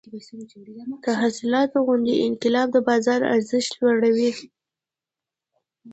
د حاصلاتو خوندي انتقال د بازار ارزښت لوړوي.